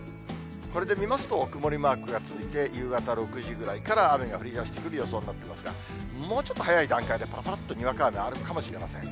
これで見ますと、曇りマークが続いて、夕方６時ぐらいから雨が降りだしてくる予想になっていますが、もうちょっと早い段階でぱらぱらっとにわか雨、あるかもしれません。